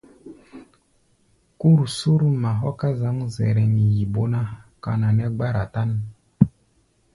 Kúr Surma hɔ́ ká zǎŋ Zɛrɛŋ, yi bó ná, kana nɛ́ gbára tán.